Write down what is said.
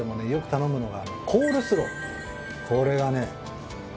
これがね